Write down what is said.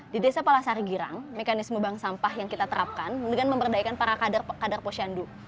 di desa palasari girang mekanisme bank sampah yang kita terapkan dengan memberdayakan para kader posyandu